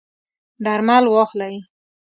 درمل واخلئ